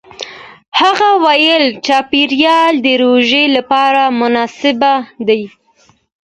هغه وايي چاپېریال د روژې لپاره مناسب دی.